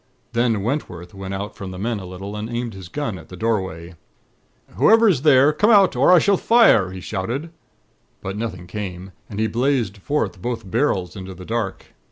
"Then Wentworth went out from the men a little, and aimed his gun at the doorway. "'Whoever is there, come out, or I shall fire,' he shouted; but nothing came, and he blazed forth both barrels into the dark.